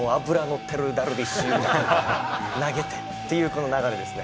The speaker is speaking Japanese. っていうこの流れですね。